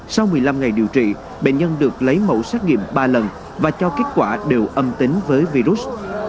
sau một mươi năm ngày điều trị bệnh nhân được lấy mẫu xét nghiệm ba lần và cho kết quả đều âm tính với virus